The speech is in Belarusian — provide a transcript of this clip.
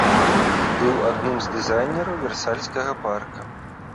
Быў адным з дызайнераў версальскага парка.